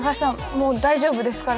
もう大丈夫ですから。